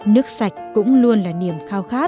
nước sạch cũng luôn là niềm khao khát